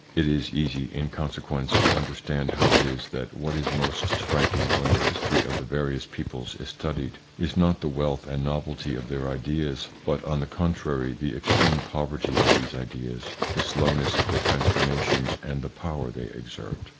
It is easy, in consequence, to understand how it is that what is most striking when the history of the various peoples is studied, is not the wealth and novelty of their ideas, but, on the contrary, the extreme poverty of these ideas, the slowness of their transformations, and the power they exert.